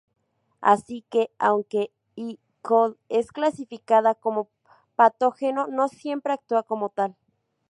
Así que, aunque E. coli es clasificada como patógeno, no siempre actúa como tal.